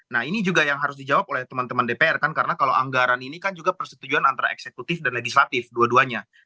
nah ini juga yang harus dijawab oleh teman teman dpr kan karena kalau anggaran ini kan juga persetujuan antara eksekutif dan legislatif dua duanya